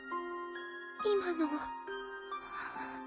今の。